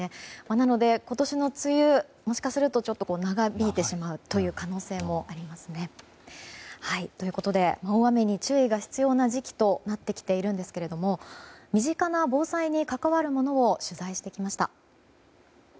なので、今年の梅雨もしかすると長引いてしまう可能性もありますね。ということで、大雨に注意が必要な時期となってきていますが身近な防災に関わるものを取材してきました。